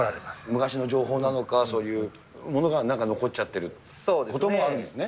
昔の情報なのか、そういうことが残っちゃってることもあるんですね。